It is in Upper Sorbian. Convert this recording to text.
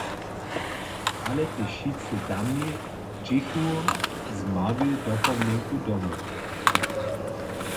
Ale tež wšitcy tamni dźěchu z małej dopomnjenku domoj.